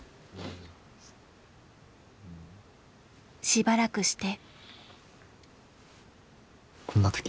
しばらくして。